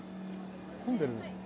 混んでる？